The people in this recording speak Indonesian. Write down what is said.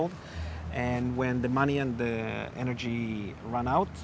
dan ketika uang dan energi terlepas